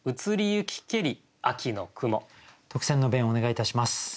特選の弁をお願いいたします。